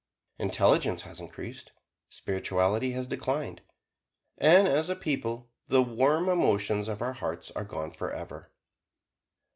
Intelligence has increased; spirituality has declined, and as a people the warm emotions of our hearts are gone forever.